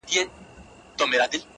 سیاه پوسي ده، ورته ولاړ یم.